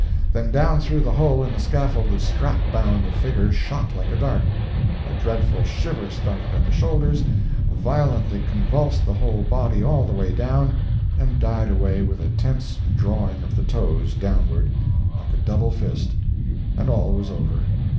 —then down through the hole in the scaffold the strap bound figure shot like a dart!—a dreadful shiver started at the shoulders, violently convulsed the whole body all the way down, and died away with a tense drawing of the toes downward, like a doubled fist—and all was over!